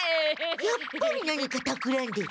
やっぱり何かたくらんでる。